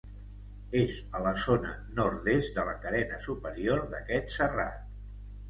És a la zona nord-est de la carena superior d'aquest serrat.